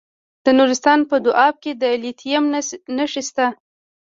د نورستان په دو اب کې د لیتیم نښې شته.